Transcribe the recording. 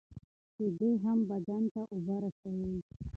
شیدې هم بدن ته اوبه رسوي.